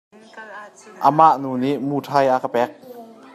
Amah nu nih muṭhai a ka pek.